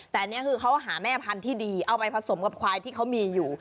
แต่อันนี้คือเขาหาแม่พันธุ์ที่ดีเอาไปผสมกับควายที่เขามีอยู่